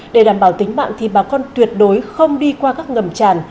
để đảm bảo tính mạng thì bà con tuyệt đối không đi qua các ngầm tràn